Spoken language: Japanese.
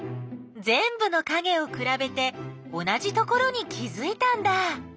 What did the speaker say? ぜんぶのかげをくらべて同じところに気づいたんだ。